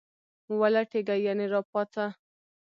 ولټیږه ..یعنی را پاڅه